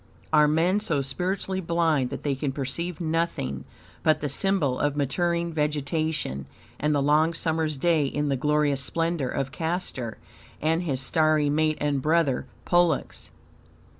Are men so spiritually blind that they can perceive nothing but the symbol of maturing vegetation and the long summer's day in the glorious splendor of Castor and his starry mate and brother, Pollux?